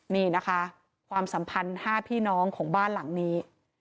นี่นะคะความสัมพันธ์๕พี่น้องของบ้านหลังนี้